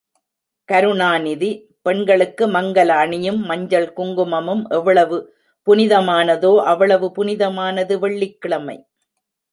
கருணாநிதி— பெண்களுக்கு மங்கல அணியும், மஞ்சள் குங்குமமும் எவ்வளவு புனிதமானதோ அவ்வளவு புனிதமானது வெள்ளிக்கிழமை!